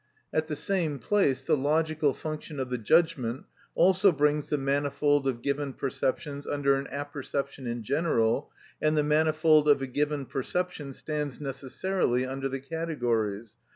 At the same place the logical function of the judgment also brings the manifold of given perceptions under an apperception in general, and the manifold of a given perception stands necessarily under the categories.